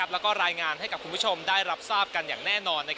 แล้วก็รายงานให้กับคุณผู้ชมได้รับทราบกันอย่างแน่นอน